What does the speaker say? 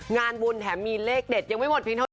งานบุญแถมมีเลขเด็ดยังไม่หมดเพียงเท่าไ